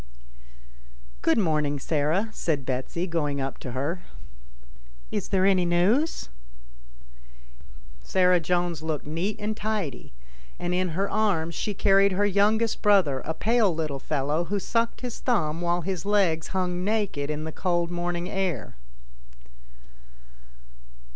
" Good morning, Sarah," said Betsy, going up to her. " Is there any news ?" Sarah Jones looked neat and tidy, and in her arms she carried her youngest brother, a pale little fellow, who sucked his thumb while his legs hung naked in the cold morn ing air.